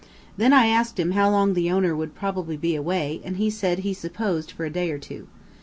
Then I asked him how long the owner would probably be away, and he said he supposed for a day or two.